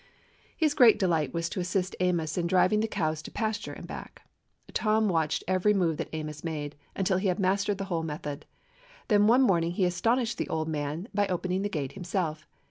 His great delight was to assist Amos in driving the cows to pasture and back. Tom watched every move that Amos made, until he had mastered the whole method. Then one morning he astonished the old man by opening a gate himself.